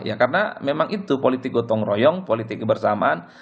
ya karena memang itu politik gotong royong politik kebersamaan